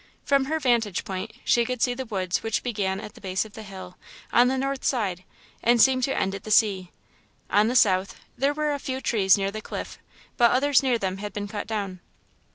From her vantage point, she could see the woods which began at the base of the hill, on the north side, and seemed to end at the sea. On the south, there were a few trees near the cliff, but others near them had been cut down.